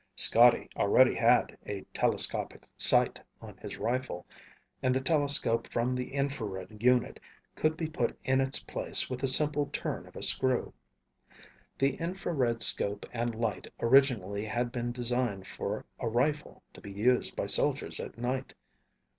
Scotty already had a telescopic sight on his rifle, and the telescope from the infrared unit could be put in its place with a simple turn of a screw. The infrared 'scope and light originally had been designed for a rifle to be used by soldiers at night.